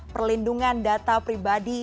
perlindungan data pribadi